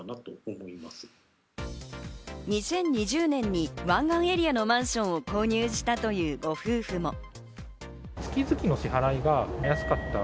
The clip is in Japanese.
２０２０年に湾岸エリアのマンションを購入したというご夫婦も。